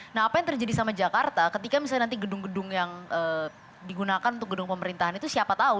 nah apa yang terjadi sama jakarta ketika misalnya nanti gedung gedung yang digunakan untuk gedung pemerintahan itu siapa tahu